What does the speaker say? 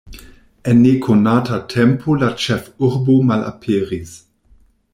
En nekonata tempo la ĉefurbo malaperis.